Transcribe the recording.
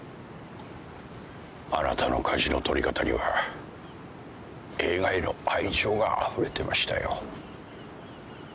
あなたの舵の取り方には映画への愛情があふれてましたよ。